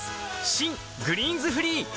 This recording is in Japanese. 新「グリーンズフリー」